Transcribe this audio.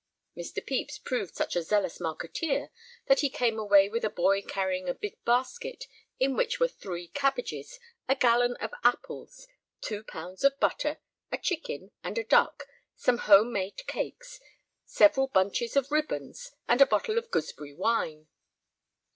Mr. Pepys proved such a zealous marketeer that he came away with a boy carrying a big basket, in which were three cabbages, a gallon of apples, two pounds of butter, a chicken and a duck, some home made cakes, several bunches of ribbons, and a bottle of gooseberry wine.